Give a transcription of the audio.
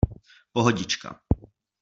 Pohodička.